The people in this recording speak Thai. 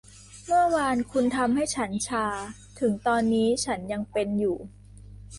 เมื่อวานคุณทำให้ฉันชา ถึงตอนนี้ฉันยังเป็นอยู่